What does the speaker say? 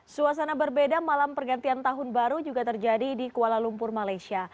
suasana berbeda malam pergantian tahun baru juga terjadi di kuala lumpur malaysia